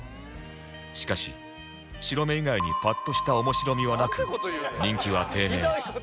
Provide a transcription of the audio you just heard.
しかし白目以外にパッとした面白みはなく人気は低迷